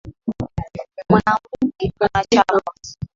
Mwanaume unachapwa.